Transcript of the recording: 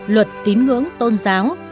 luật tín ngưỡng tôn giáo